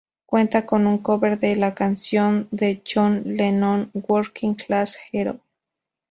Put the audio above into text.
Cuenta con un cover de la canción de John Lennon "Working Class Hero".